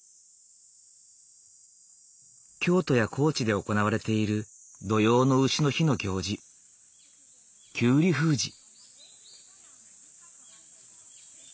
京都や高知で行われている土用の丑の日の行事きゅうり封じ。